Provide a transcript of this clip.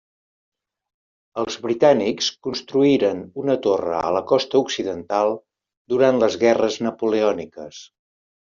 Els britànics construïren una torre a la costa occidental durant les Guerres napoleòniques.